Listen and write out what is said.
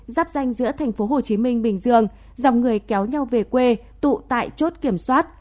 dắt danh giữa thành phố hồ chí minh bình dương dòng người kéo nhau về quê tụ tại chốt kiểm soát